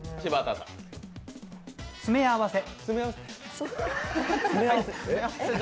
詰め合わせ。